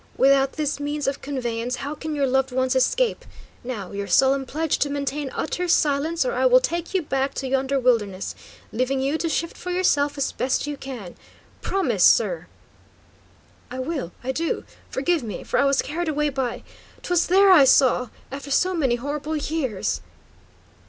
"Without this means of conveyance, how can your loved ones escape? Now, your solemn pledge to maintain utter silence, or I will take you back to yonder wilderness, leaving you to shift for yourself as best you can. Promise, sir!" "I will, I do. Forgive me, for I was carried away by 'twas there I saw after so many horrible years!"